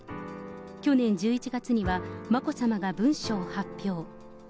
去年１１月には、眞子さまが文書を発表。